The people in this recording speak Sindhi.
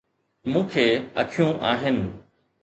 مون کي اکيون آهن.